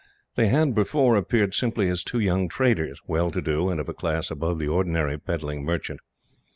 They had, before, appeared simply as two young traders, well to do, and of a class above the ordinary peddling merchant.